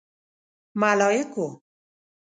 _ملايکو!